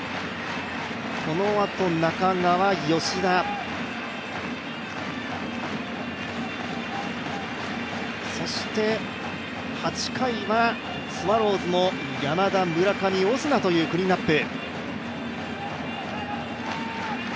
このあと、中川、吉田、そして８回はスワローズの山田、村上、オスナというクリーンアップ。